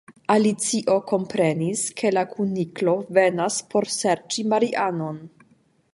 Alicio komprenis ke la Kuniklo venas por serĉi Marianon.